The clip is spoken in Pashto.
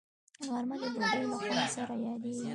غرمه د ډوډۍ له خوند سره یادیږي